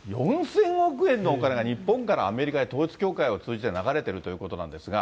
４０００億円のお金が日本からアメリカに統一教会を通じて流れてるということなんですが。